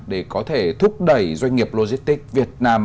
để có thể thúc đẩy doanh nghiệp logistics việt nam